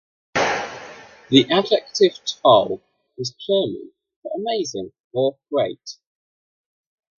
The adjective "toll" is German for "amazing" or "great".